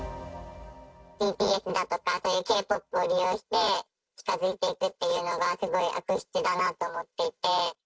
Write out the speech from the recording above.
ＢＴＳだとかＫ−ＰＯＰを利用して近づいていくっていうのが、すごい悪質だなと思っていて。